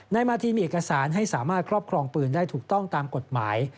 นายมาทีมีเอกสารให้สามารถครอบครองปืนได้ถูกต้องตามกฎหมาย